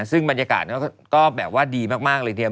ซึ่งบรรยากาศก็แบบว่าดีมากเลยทีเดียว